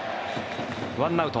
１アウト。